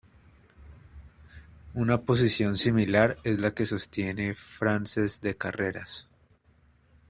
Una posición similar es la que sostiene Francesc de Carreras.